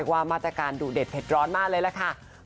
ว่ามาตรการดุเด็ดเผ็ดร้อนมากเลยล่ะค่ะ